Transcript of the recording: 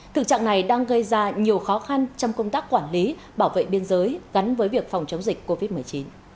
thực trạng này đang gây ra nhiều khó khăn trong công tác quản lý bảo vệ biên giới gắn với việc phòng chống dịch covid một mươi chín